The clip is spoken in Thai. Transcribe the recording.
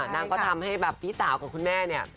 นางก็ทำให้แบบพี่สาวกับคุณแม่เนี่ย